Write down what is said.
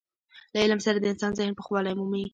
له علم سره د انسان ذهن پوخوالی مومي.